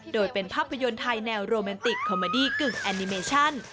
โดยเป็นภาพยนตร์ไทยแนวโรแมนติกคอมเมอดี้กึ่งแอนิเมชั่น